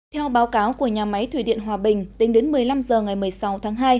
theo báo cáo của nhà máy thủy điện hòa bình tính đến một mươi năm h ngày một mươi sáu tháng hai